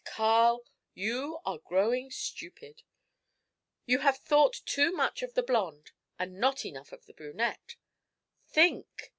'Carl, you are growing stupid! You have thought too much of the blonde and not enough of the brunette! Think!